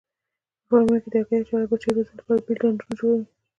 په فارمونو کې د هګۍ اچولو او بچیو روزنې لپاره بېل ډنډونه جوړوي.